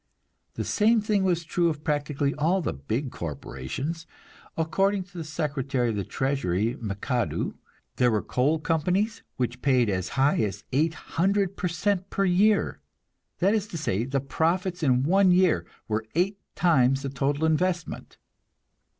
The same thing was true of practically all the big corporations. According to Secretary of the Treasury McAdoo, there were coal companies which paid as high as eight hundred per cent per year; that is to say, the profits in one year were eight times the total investment.